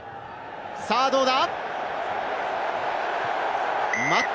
さぁどうだ？